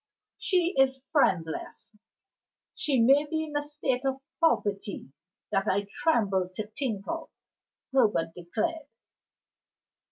"She is friendless; she may be in a state of poverty that I tremble to think of," Herbert declared.